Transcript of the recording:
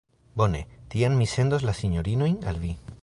Bone, tiam mi sendos la sinjorinojn al vi.